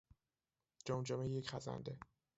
جمجمهی یک خزنده